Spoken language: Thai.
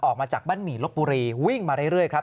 ออกมาจากบ้านหมี่ลบบุรีวิ่งมาเรื่อยครับ